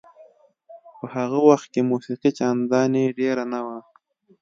په هغه وخت کې موسیقي چندانې ډېره نه وه.